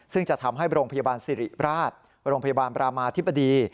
ซึ่งจะทำให้โรงพยาบาลสิริราชโรงพยาบาลประมาธิบดี